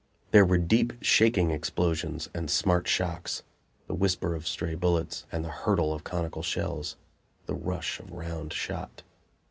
There were deep, shaking explosions and smart shocks; the whisper of stray bullets and the hurtle of conical shells; the rush of round shot.